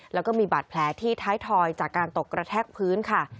แล้วก็มีบาดแผลที่ท้ายถอยจากการตกกระแทกพื้นค่ะ